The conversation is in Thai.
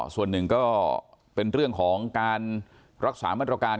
ส่วนหนึ่งก็เป็นเรื่องของการรักษามาตรการ